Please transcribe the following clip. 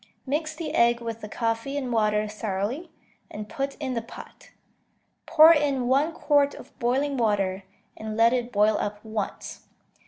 Mix the egg with the coffee and water thoroughly, and put in the pot. Pour in one quart of boiling water, and let it boil up once.